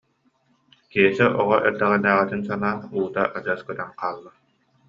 Киэсэ оҕо эрдэҕинээҕитин санаан уута адьас кө- төн хаалла